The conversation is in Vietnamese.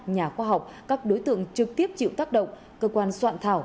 nhà khoa học các đối tượng trực tiếp chịu tác động cơ quan soạn thảo